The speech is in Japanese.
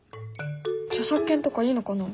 著作権とかいいのかな？